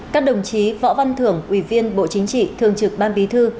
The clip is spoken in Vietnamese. các đồng chí võ văn thưởng ủy viên bộ chính trị thường trực ban bí thư